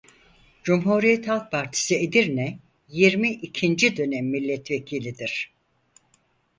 Cumhuriyet Halk Partisi Edirne yirmi ikinci dönem milletvekilidir.